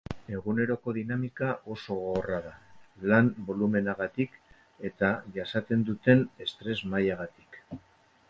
Eguneroko dinamika oso gogorra da, lan bolumenagatik eta jasaten duten estres mailagatik.